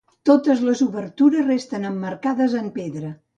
Totes les obertures resten emmarcades en pedra.